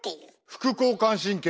副交感神経！